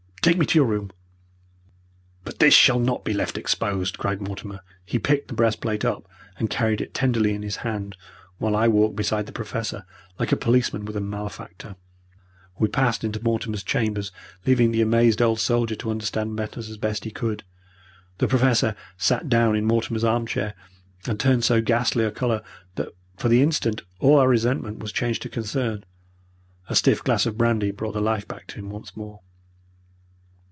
Take me to your room." "But this shall not be left exposed!" cried Mortimer. He picked the breastplate up and carried it tenderly in his hand, while I walked beside the Professor, like a policeman with a malefactor. We passed into Mortimer's chambers, leaving the amazed old soldier to understand matters as best he could. The Professor sat down in Mortimer's arm chair, and turned so ghastly a colour that for the instant all our resentment was changed to concern. A stiff glass of brandy brought the life back to him once more.